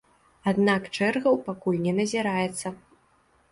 Аднак чэргаў пакуль не назіраецца.